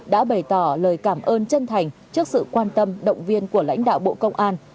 đã bày tỏ lời cảm ơn chân thành trước sự quan tâm động viên của lãnh đạo bộ công an